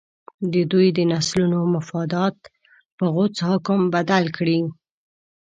د دوی د نسلونو مفادات په غوڅ حکم بدل کړي.